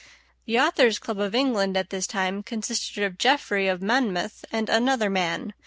The Authors' Club of England at this time consisted of Geoffrey of Monmouth and another man.